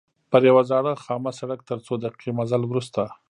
پر یوه زاړه خامه سړک تر څو دقیقې مزل وروسته.